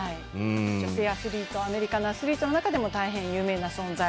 女性のアメリカのアスリートの中でも大変、有名な存在。